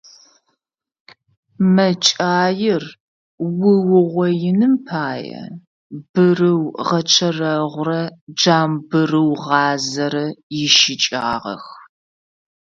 Мэкӏаир уугъоиным пае бырыугъэчэрэгъурэ джамбырыугъазэрэ ищыкӏагъэх.